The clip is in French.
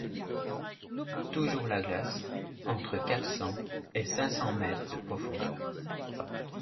Toujours la glace entre quatre cents et cinq cents mètres de profondeur.